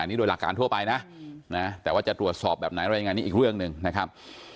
อันนี้โดยหลักการทั่วไปนะนะฮะแต่ว่าจะตรวจสอบแบบไหนอะไรอย่างนี้อีกเรื่องนึงนะครับ